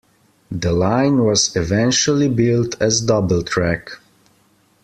The line was eventually built as double track.